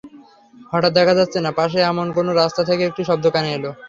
হঠাৎ দেখা যাচ্ছে না—পাশের এমন কোনো রাস্তা থেকে একটি শব্দ কানে এল।